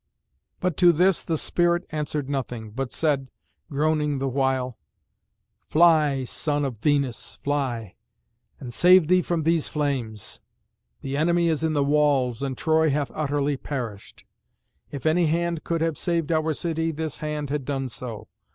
But to this the spirit answered nothing, but said, groaning the while, "Fly, son of Venus, fly, and save thee from these flames. The enemy is in the walls, and Troy hath utterly perished. If any hand could have saved our city, this hand had done so.